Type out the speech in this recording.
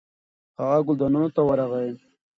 هغه ګلدانونو ته ورغی.